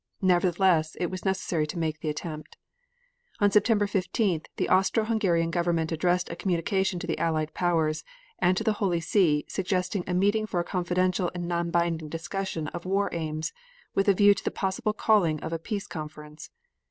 Nevertheless, it was necessary to make the attempt. On September 15th, the Austro Hungarian Government addressed a communication to the Allied Powers and to the Holy See suggesting a meeting for a confidential and non binding discussion of war aims, with a view to the possible calling of a peace conference.